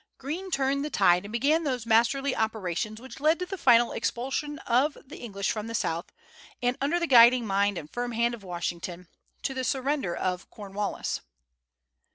Greene turned the tide, and began those masterly operations which led to the final expulsion of the English from the South, and, under the guiding mind and firm hand of Washington, to the surrender of Cornwallis.